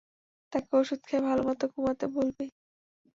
তাকে ওষুধ খেয়ে ভালোমতো ঘুমাতে বলবি।